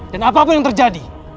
dan apapun yang terjadi